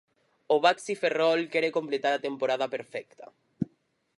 O Baxi Ferrol quere completar a temporada perfecta.